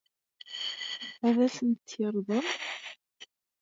Ad asent-t-yeṛḍel?